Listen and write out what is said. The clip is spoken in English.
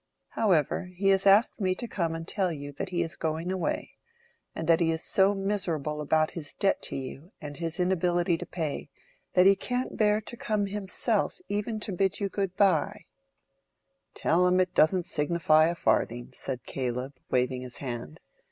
However, he has asked me to come and tell you that he is going away, and that he is so miserable about his debt to you, and his inability to pay, that he can't bear to come himself even to bid you good by." "Tell him it doesn't signify a farthing," said Caleb, waving his hand.